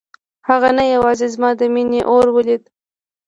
هغه نه یوازې زما د مينې اور ولید.